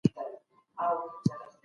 فابریکې څنګه د انرژۍ مصرف کموي؟